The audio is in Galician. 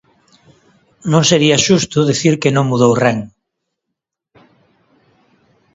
Non sería xusto dicir que non mudou ren.